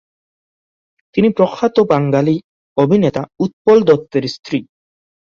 তিনি প্রখ্যাত বাঙালি অভিনেতা উৎপল দত্তের স্ত্রী।